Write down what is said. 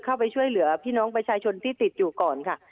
เข้าไปช่วยเหลือพี่น้องประชาชนที่ติดอยู่ก่อนค่ะ